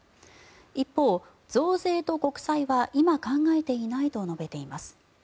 一方、増税と国債は今考えていないと述べています。